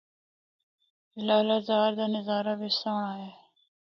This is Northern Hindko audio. لالہ زار دا نظارہ بھی سہنڑا اے۔